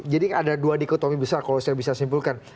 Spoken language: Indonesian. jadi ada dua dikotomi besar kalau saya bisa simpulkan